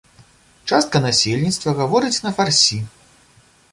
Частка насельніцтва гаворыць на фарсі.